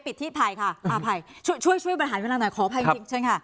ผิดได้ที่ภายค่ะช่วยปัญหาหนึ่งหนึ่งหนึ่งขออภัยกับฉันข้า